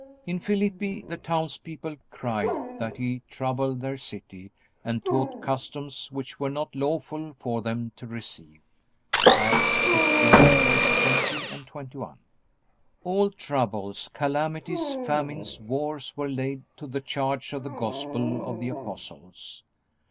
In Philippi the townspeople cried that he troubled their city and taught customs which were not lawful for them to receive. (Acts 16:20, 21.) All troubles, calamities, famines, wars were laid to the charge of the Gospel of the apostles.